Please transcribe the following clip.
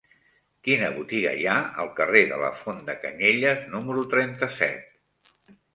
Quina botiga hi ha al carrer de la Font de Canyelles número trenta-set?